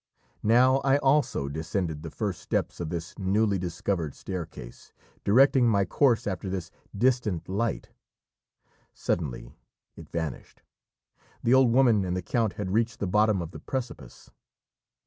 Now I also descended the first steps of this newly discovered staircase, directing my course after this distant light; suddenly it vanished. The old woman and the count had reached the bottom of the precipice.